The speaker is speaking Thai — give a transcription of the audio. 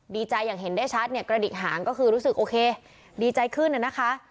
ดีใจอย่างเห็นได้ชัดเนี่ยกระดิกหางก็คือรู้สึกโอเคดีใจขึ้นน่ะนะคะ